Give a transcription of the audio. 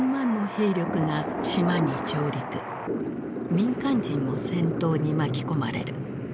民間人も戦闘に巻き込まれる。